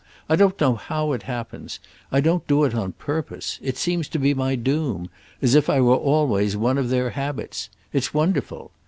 I don't know how it happens; I don't do it on purpose; it seems to be my doom—as if I were always one of their habits: it's wonderful!